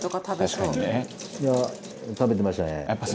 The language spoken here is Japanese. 大久保：いや、食べてましたね。